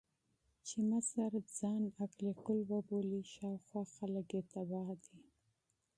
چې مشر ځان عقل کُل وبولي، شا او خوا خلګ يې تباه دي.